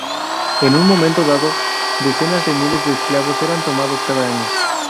En un momento dado, decenas de miles de esclavos eran tomados cada año.